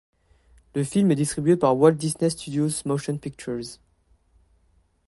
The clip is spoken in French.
Le film est distribué par Walt Disney Studios Motion Pictures.